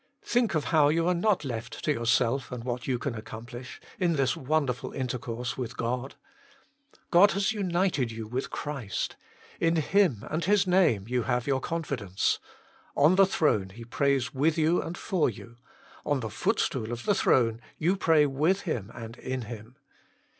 Think of how you are not left to your self, and what you can accomplish, in this wonderful intercourse with God. God has united you with Christ ; in Him and His Name you have your confidence ; on the throne He prays with you and for you; on the footstool of the throne you pray with Him and in Him.